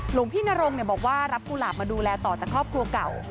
หลวงพี่นรงบอกว่ารับกุหลาบมาดูแลต่อจากครอบครัวเก่า